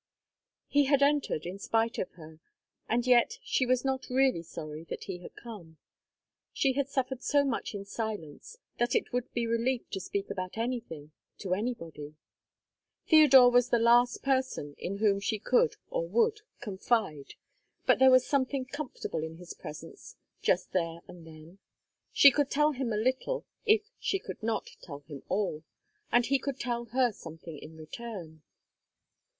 He had entered in spite of her, and yet she was not really sorry that he had come. She had suffered so much in silence that it would be relief to speak about anything to anybody. Theodore was the last person in whom she could or would confide. But there was something comfortable in his presence just there and then. She could tell him a little, if she could not tell him all; and he could tell her something in return.